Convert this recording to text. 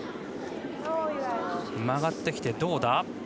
曲がってきてどうだ。